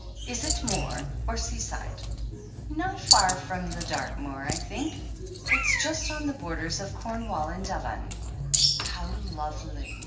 Is it moor, or seaside ?" 'Not far from Dartmoor, I think. It's just on the borders of Cornwall and Devon." "How lovely